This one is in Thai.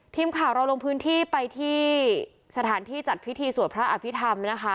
ทีมข่าวเราลงพื้นที่ไปที่สถานที่จัดพิธีสวดพระอภิษฐรรมนะคะ